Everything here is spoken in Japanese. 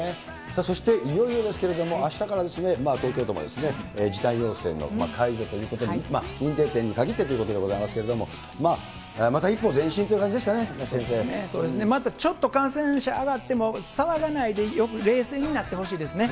そして、いよいよですけれども、あしたから、東京都も時短要請の解除ということに、認定店に限ってっていうことですけれども、まあ、また一歩前進とまたちょっと感染者上がっても騒がないで、冷静になってほしいですね。